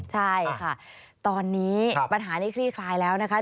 ใช่ค่ะตอนนี้ปัญหานี้คลี่คลายแล้วนะคะ